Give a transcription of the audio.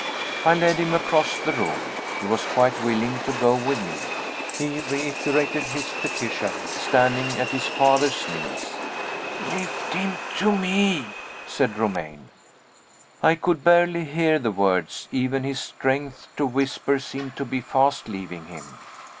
I led him across the room. He was quite willing to go with me he reiterated his petition, standing at his father's knees. "Lift him to me," said Romayne. I could barely hear the words: even his strength to whisper seemed to be fast leaving him.